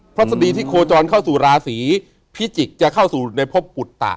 ฤษฎีที่โคจรเข้าสู่ราศีพิจิกษ์จะเข้าสู่ในพบปุตตะ